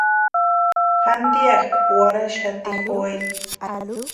Jantianku warhaxati Joel.